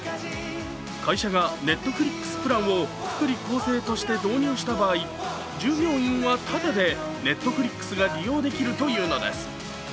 会社がＮｅｔｆｌｉｘプランを福利厚生として導入した場合、従業員はただでＮｅｔｆｌｉｘが利用できるというのです。